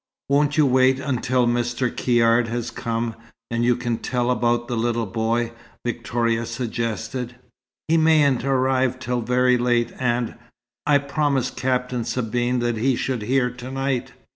"Won't you wait until after Mr. Caird has come, and you can tell about the little boy?" Victoria suggested. "He mayn't arrive till very late, and I promised Captain Sabine that he should hear to night."